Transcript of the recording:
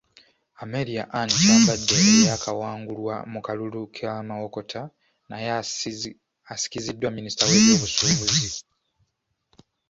Amelia Anne Kyambadde eyaakawangulwa mu kalulu ka Mawokota naye asikiziddwa Minisita w’ebyobusuubuzi.